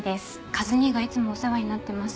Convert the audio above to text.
カズ兄がいつもお世話になってます。